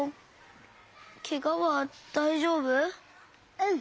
うん。